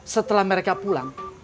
setelah mereka pulang